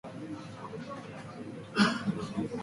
天葵为毛茛科天葵属下的一个种。